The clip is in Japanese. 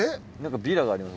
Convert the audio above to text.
ビラがあります